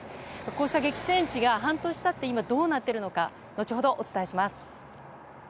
こうした激戦地が半年経って今どうなっているのか後ほどお伝えします。